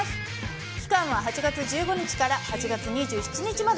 期間は８月１５日から８月２７日まで。